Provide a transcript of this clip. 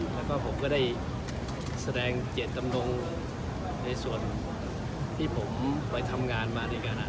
แล้วก็ผมก็ได้แสดงเจตจำนงในส่วนที่ผมไปทำงานมาด้วยกัน